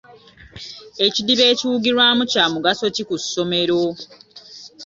Ekidiba ekiwugirwamu kya mugaso ki ku ssomero?